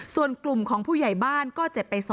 ส่วนกลุ่มของผู้ใหญ่บ้านก็เจ็บไป๒